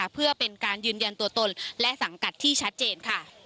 เพื่อเป็นการยืนยันตัวตนและสังกัดที่ชัดเจนค่ะ